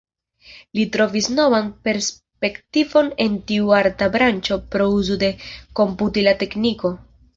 Li trovis novan perspektivon en tiu arta branĉo pro uzo de komputila tekniko.